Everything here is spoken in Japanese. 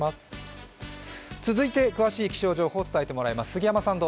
続いて詳しい気象情報を伝えてまいります。